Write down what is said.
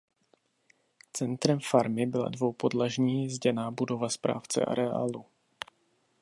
Centrem farmy byla dvoupodlažní zděná budova správce areálu.